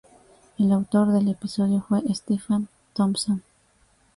El autor del episodio fue Stephen Thompson.